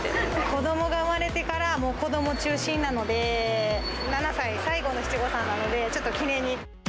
子どもが産まれてから、もう子ども中心なので、７歳最後の七五三なので、ちょっと記念に。